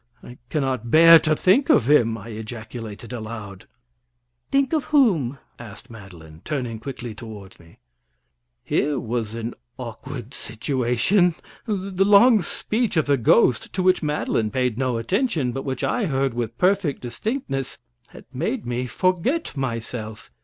"I cannot bear to think of him!" I ejaculated aloud. "Think of whom?" asked Madeline, turning quickly toward me. Here was an awkward situation. The long speech of the ghost, to which Madeline paid no attention, but which I heard with perfect distinctness, had made me forget myself.